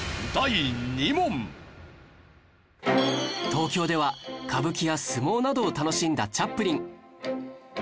東京では歌舞伎や相撲などを楽しんだチャップリン